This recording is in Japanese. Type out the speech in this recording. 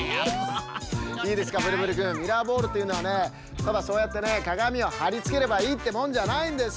いいですかブルブルくんミラーボールというのはねただそうやってねかがみをはりつければいいってもんじゃないんです！